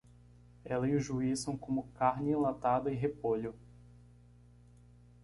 Ela e o juiz são como carne enlatada e repolho.